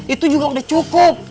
itu juga udah cukup